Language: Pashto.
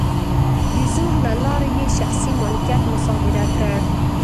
د زور له لارې یې شخصي مالکیت مصادره کړ.